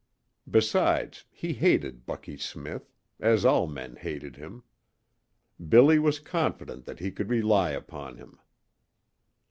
Besides, he hated Bucky Smith, as all men hated him. Billy was confident that he could rely upon him.